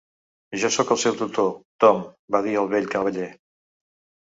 "Jo sóc el seu tutor, Tom", va dir el vell cavaller.